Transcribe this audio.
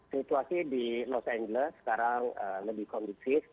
situasi di los angeles sekarang lebih kondisif